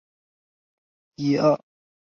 隶属于青二制作。